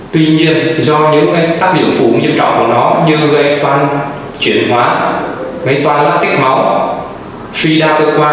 tuy nhiên do những tác biểu phủ nghiêm trọng của nó như gây toàn chuyển hoá gây toàn lát tích máu